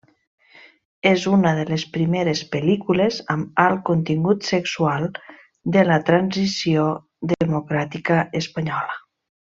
És una de les primeres pel·lícules amb alt contingut sexual de la transició democràtica espanyola.